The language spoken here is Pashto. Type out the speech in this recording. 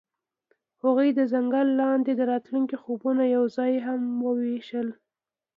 هغوی د ځنګل لاندې د راتلونکي خوبونه یوځای هم وویشل.